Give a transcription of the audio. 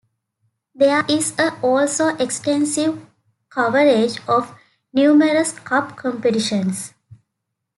There is also extensive coverage of numerous Cup competitions.